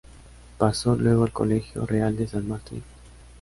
Pasó luego al Colegio Real de San Martín.